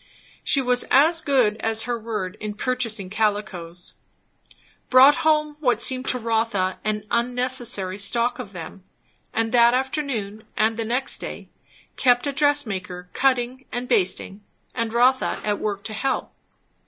She was as good as her word in purchasing calicos; brought home what seemed to Rotha an unnecessary stock of them; and that afternoon and the next day kept a dress maker cutting and basting, and Rotha at work to help.